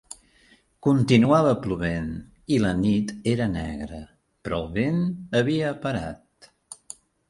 Continuava plovent, i la nit era negra, però el vent havia parat.